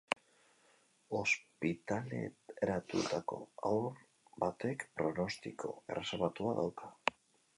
Ospitaleratutako haur batek pronostiko erreserbatua dauka.